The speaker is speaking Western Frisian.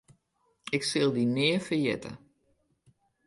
Ik sil dy nea ferjitte.